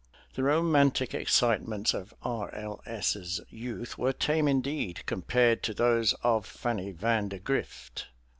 The romantic excitements of R. L. S.'s youth were tame indeed compared to those of Fanny Van de Grift.